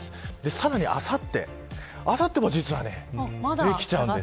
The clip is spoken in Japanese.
さらにあさってあさっても実はねできちゃうんです。